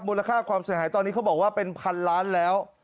มูลค่าความเสียหายตอนนี้เขาบอกว่าเป็นพันล้านแล้ว